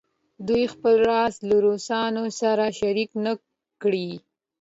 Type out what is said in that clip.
دوی خپل راز له روسانو سره شریک نه کړي.